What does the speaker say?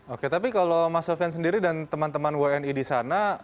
oke tapi kalau mas sofian sendiri dan teman teman wni di sana